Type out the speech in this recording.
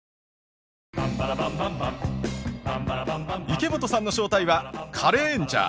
池本さんの正体はカレーンジャー。